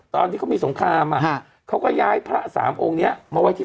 ตอนที่เขามีสงครามเขาก็ย้ายพระสามองค์เนี้ยมาไว้ที่